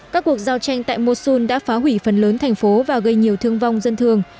các cuộc giao tranh tại mosun đã phá hủy phần lớn thành phố và gây nhiều thương vong dân thường